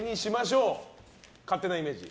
勝手なイメージ。